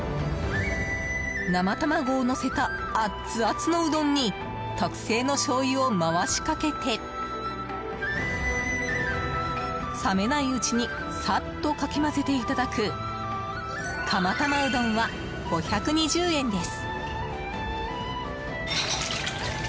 生卵をのせたアツアツのうどんに特製のしょうゆを回しかけて冷めないうちにサッとかき混ぜていただく釜玉うどんは、５２０円です。